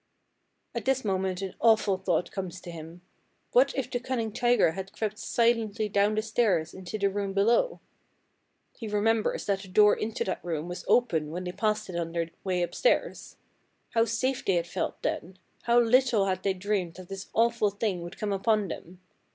"At this moment an awful thought comes to him. What if the cunning tiger had crept silently down the stairs into the room below? He remembers that the door into that room was open when they passed it on their way upstairs. How safe they had felt then! How little had they dreamed that this awful thing would come upon them!